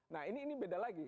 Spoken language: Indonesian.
nah ini beda lagi